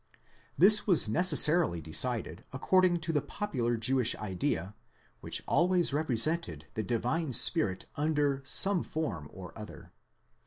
This was necessarily decided according to the popular Jewish idea, which always represented the Divine Spirit under some form or other.